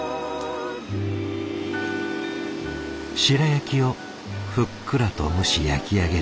白焼きをふっくらと蒸し焼き上げる